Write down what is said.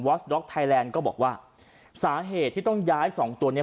สด็อกไทยแลนด์ก็บอกว่าสาเหตุที่ต้องย้ายสองตัวเนี้ย